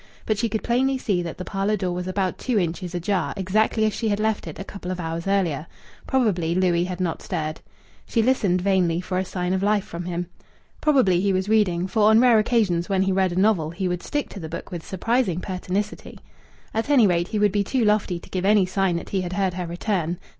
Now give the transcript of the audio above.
But she could plainly see that the parlour door was about two inches ajar, exactly as she had left it a couple of hours earlier. Probably Louis had not stirred. She listened vainly for a sign of life from him. Probably he was reading, for on rare occasions when he read a novel he would stick to the book with surprising pertinacity. At any rate, he would be too lofty to give any sign that he had heard her return.